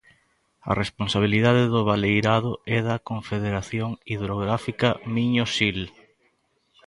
A responsabilidade do baleirado é da Confederación Hidrográfica Miño-Sil.